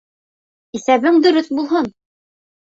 Иҫәбең дөрөҫ булһын.